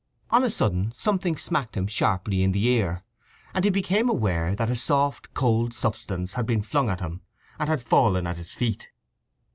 On a sudden something smacked him sharply in the ear, and he became aware that a soft cold substance had been flung at him, and had fallen at his feet.